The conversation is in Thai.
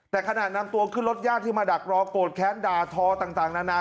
แต่ขณะนำตัวขึ้นรถญาติที่มาดักรอโกรธแค้นด่าทอต่างนานา